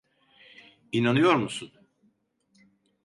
İnanıyor musun?